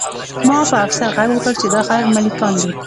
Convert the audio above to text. ما په افسر غږ وکړ چې دا خلک ملکیان دي